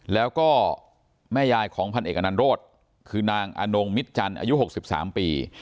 แล้วก็แม่ยายของพันเอกอนันโรธคือนางอนงมิตจันทร์อายุ๖๓ปี